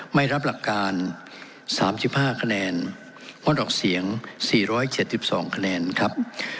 ไม่รับหลักการ๓๕คะแนนงดออกเสียง๔๗๒คะแนนครับ